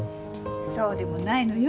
そうでもないのよ。